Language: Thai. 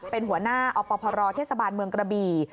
เป็นหัวหน้าอพรเทศบาลเมืองกระบี่